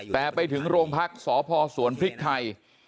แต่ไปถึงโรงพักษ์สพสวนพริกไทย